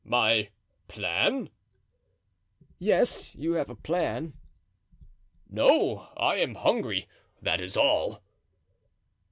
"My plan!" "Yes, have you a plan?" "No! I am hungry, that is all."